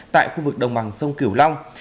tại khu vực đồng bằng sông kiểu long